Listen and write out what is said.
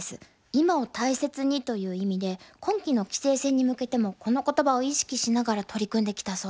「今を大切に」という意味で今期の棋聖戦に向けてもこの言葉を意識しながら取り組んできたそうです。